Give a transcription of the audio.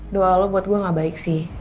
doa lo buat gue gak baik sih